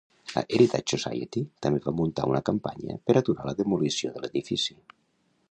La Heritage Society també va muntar una campanya per aturar la demolició de l'edifici.